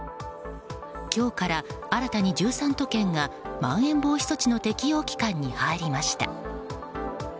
今日から新たに１３都県がまん延防止措置の適用期間に入りました。